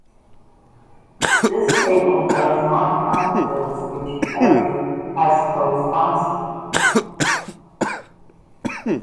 This table does not count bills which Kerry has co-sponsored.